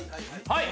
はい。